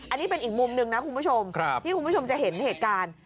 อันนี้เป็นอีกมุมหนึ่งนะคุณผู้ชมที่คุณผู้ชมจะเห็นเหตุการณ์